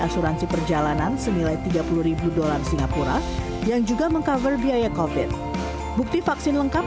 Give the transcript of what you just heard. asuransi perjalanan semilai tiga puluh dollar singapura yang juga mengcover biaya covid bukti vaksin lengkap